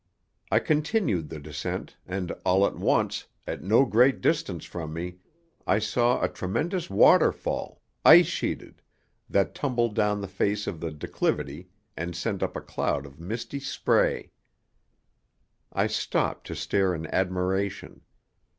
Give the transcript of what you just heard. I continued the descent, and all at once, at no great distance from me, I saw a tremendous waterfall, ice sheeted, that tumbled down the face of the declivity and sent up a cloud of misty spray. I stopped to stare in admiration.